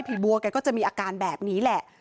บัวแกก็จะมีอาการแบบนี้แหละ